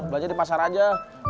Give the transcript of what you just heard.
belanja di pasar aja